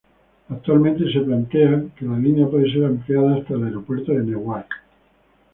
Actualmente se plantea que la línea pueda ser ampliada hasta el aeropuerto de Newark.